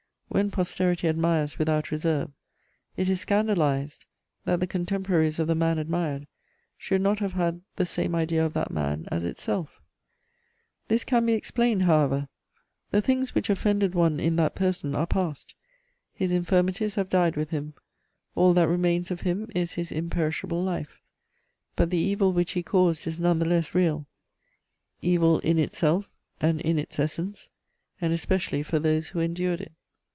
When posterity admires without reserve, it is scandalized that the contemporaries of the man admired should not have had the same idea of that man as itself. This can be explained, however: the things which offended one in that person are past; his infirmities have died with him; all that remains of him is his imperishable life; but the evil which he caused is none the less real: evil in itself and in its essence, and especially for those who endured it.